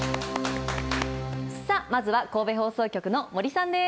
さあ、まずは神戸放送局の森さんです。